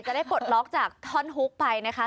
ได้ปลดล็อกจากท่อนฮุกไปนะคะ